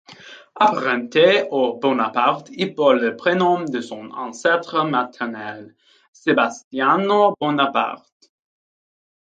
Apparenté aux Bonaparte, il porte le prénom de son ancêtre maternel, Sebastiano Bonaparte.